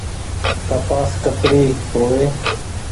ڪپآس ڪتري هووي ۔